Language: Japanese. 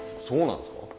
そうなんですか？